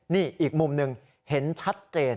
นี่อีกมุมหนึ่งเห็นชัดเจน